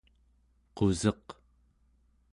quseq